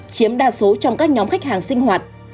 chiếm đa số trong các nhóm khách hàng sinh hoạt